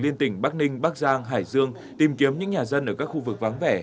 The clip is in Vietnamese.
liên tỉnh bắc ninh bắc giang hải dương tìm kiếm những nhà dân ở các khu vực vắng vẻ